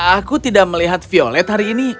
aku tidak melihat violet hari ini